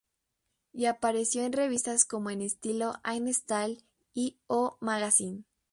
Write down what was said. Y apareció en revistas como en estilo In Style y O Magazine.